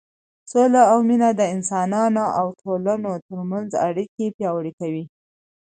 سوله او مینه د انسانانو او ټولنو تر منځ اړیکې پیاوړې کوي.